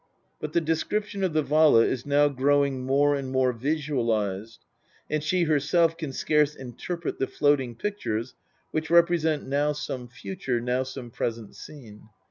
But the description of the Vala is now growing more and more visualised, and she herself can scarce interpret the floating pictures which represent now some future, now some present scene.